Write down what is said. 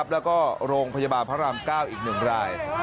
แล้วก็โรงพยาบาลพระราม๙อีก๑ราย